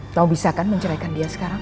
atau bisa kan menceraikan dia sekarang